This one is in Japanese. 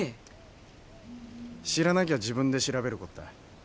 知らなきゃ自分で調べるこった。